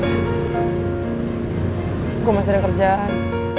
onteng gue masih ada kerjaan